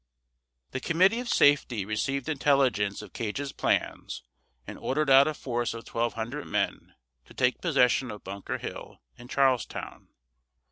The Committee of Safety received intelligence of Gage's plans and ordered out a force of twelve hundred men to take possession of Bunker Hill in Charlestown.